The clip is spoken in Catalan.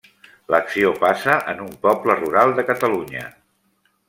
L'acció passa en un poble rural de Catalunya.